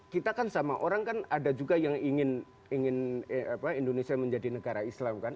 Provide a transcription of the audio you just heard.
kita kan sama orang kan ada juga yang ingin indonesia menjadi negara islam kan